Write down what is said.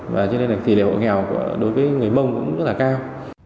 và cho nên là tỷ lệ hộ nghèo đối với người mông cũng rất là cao